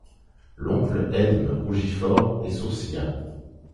L'oncle Edme rougit fort, et sourcilla.